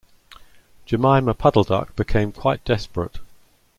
Jemima Puddle-duck became quite desperate.